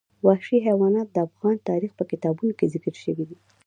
وحشي حیوانات د افغان تاریخ په کتابونو کې ذکر شوي دي.